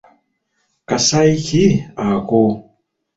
Kasaanyi ki ako?